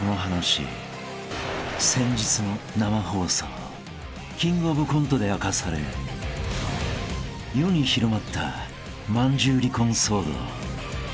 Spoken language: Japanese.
［先日の生放送キングオブコントで明かされ世に広まったまんじゅう離婚騒動］